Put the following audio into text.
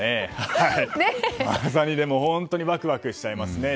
でも本当にワクワクしちゃいますね。